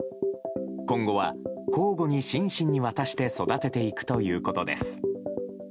今後は交互にシンシンに渡して育てていくということです。